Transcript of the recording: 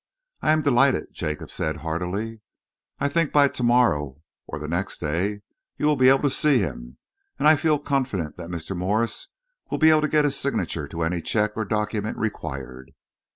"I am delighted," Jacob said heartily. "I think that by to morrow or the next day you will be able to see him, and I feel confident that Mr. Morse will be able to get his signature to any cheque or document required."